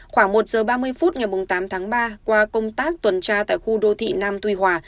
khoảng một giờ ba mươi phút ngày tám tháng ba qua công tác tuần tra tại khu đô thị nam tuy hòa